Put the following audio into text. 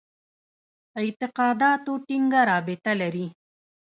اعتقاداتو ټینګه رابطه لري.